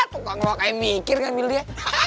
tukang lo kayak mikir kan mil dia